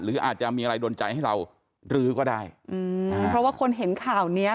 หรืออาจจะมีอะไรโดนใจให้เรารื้อก็ได้อืมเพราะว่าคนเห็นข่าวเนี้ย